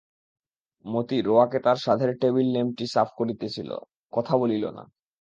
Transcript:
মতি রোয়াকে তার সাধের টেবিলল্যাম্পটি সাফ করিতেছিল, কথা বলিল না।